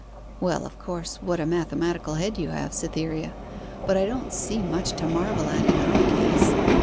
'Well, of course: what a mathematical head you have, Cytherea! But I don't see so much to marvel at in our case.